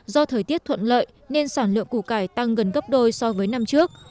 do thời tiết thuận lợi nên sản lượng củ cải tăng gần gấp đôi so với năm trước